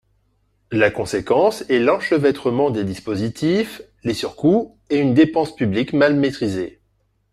La conséquence est l’enchevêtrement des dispositifs, les surcoûts et une dépense publique mal maîtrisée.